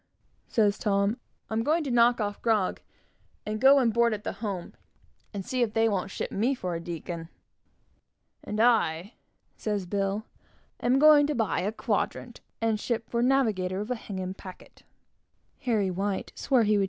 says Tom, "I'm going to knock off grog, and go and board at the Home, and see if they won't ship me for a deacon!" "And I," says Bill, "am going to buy a quadrant and ship for navigator of a Hingham packet!"